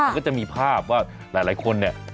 มันก็จะมีภาพว่าหลายคนเนี่ย